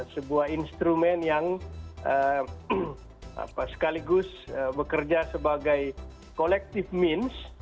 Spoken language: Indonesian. sebuah instrumen yang sekaligus bekerja sebagai collective means